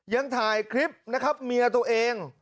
ยังถ่ายคลิปนะครับเมียตัวเอง